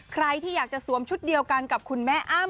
ใครที่อยากจะสวมชุดเดียวกันกับคุณแม่อ้ำ